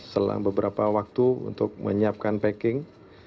selang beberapa waktu untuk menyiapkan packing